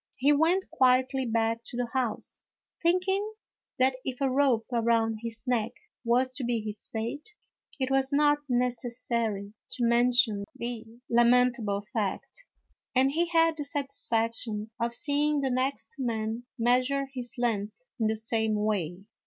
He went quietly back to the house, thinking that if a rope around his neck was to be his fate it was not necessary to mention the lamentable fact, and he had the satisfaction of seeing the next man measure his length in the same way.